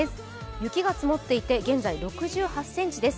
雪が積もっていて、現在６８ｃｍです。